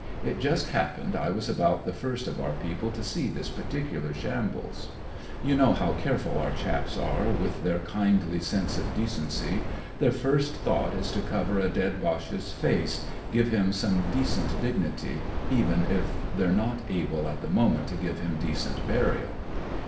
It just happened I was about the first of our people to see this particular shambles. You know how careful our chaps are, with their kindly sense of decency. Their first thought is to cover a dead Boche's face, give him some decent dignity, even if they're not able at the moment to give him decent burial.